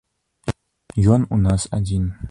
Ён у нас адзін.